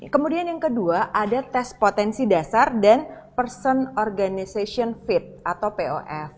kemudian yang kedua ada tes potensi dasar dan person organization fit atau pof